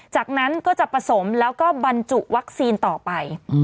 จากนั้นก็จะผสมแล้วก็บรรจุวัคซีนต่อไป